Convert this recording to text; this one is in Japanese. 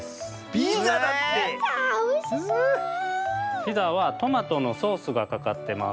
ピザはトマトのソースがかかってます。